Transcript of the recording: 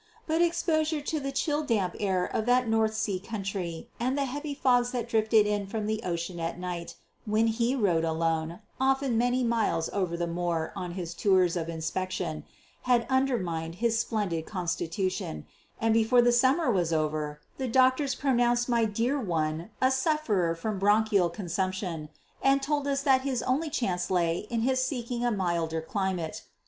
But exposure to the chill, damp air of that North Sea country and the heavy fogs that drifted in from the ocean at night, when he rode alone, often many miles over the moor on his tours of inspection, had undermined his splendid constitution, and before the summer was over the doctors pronounced my dear one a sufferer from bronchial consumption, and told us that his only chance lay in his seeking a milder climate.